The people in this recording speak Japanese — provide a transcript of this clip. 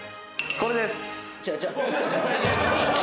「これです」